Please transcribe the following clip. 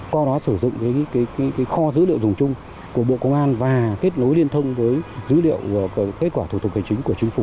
qua đó sử dụng kho dữ liệu dùng chung của bộ công an và kết nối liên thông với dữ liệu kết quả thủ tục hành chính của chính phủ